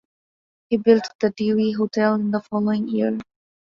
He built the Dewey Hotel in the following year.